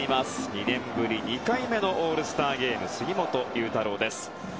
２年ぶり２回目のオールスターゲーム杉本裕太郎です。